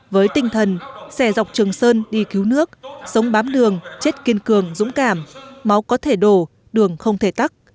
với tinh thần xẻ dọc trường sơn đi cứu nước sống bám đường chết kiên cường dũng cảm máu có thể đổ đường không thể tắc